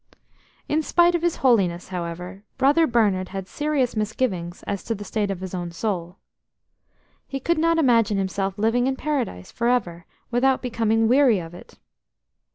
In spite of his holiness, however, Brother Bernard had serious misgivings as to the state of his own soul. He could not imagine himself living in Paradise for ever without becoming weary of it.